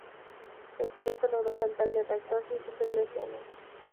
El piloto logró saltar del reactor sin sufrir lesiones.